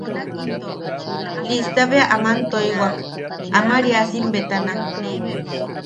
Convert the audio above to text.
Lista bea aman toiwak Amariasim betana.